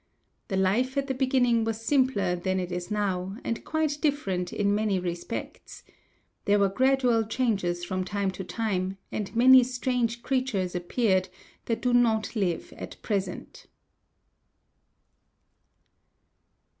The life at the beginning was simpler than it is now, and quite different in many respects. There were gradual changes from time to time, and many strange creatures appeared that do not live at present.